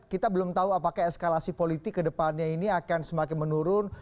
kita belum tahu apakah eskalasi politik ke depannya ini akan semakin menurun